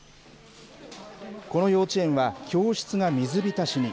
この幼稚園は、教室が水浸しに。